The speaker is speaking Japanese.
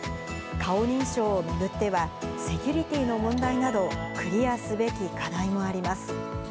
顔認証を巡っては、セキュリティーの問題など、クリアすべき課題もあります。